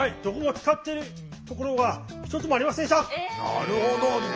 なるほど。